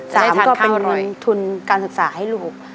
ก็เป็นเงินทุนการศึกษาให้ลูก